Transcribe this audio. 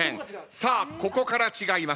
さあここから違います。